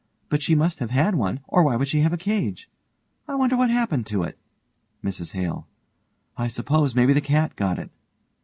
But she must have had one, or why would she have a cage? I wonder what happened to it. MRS HALE: I s'pose maybe the cat got it.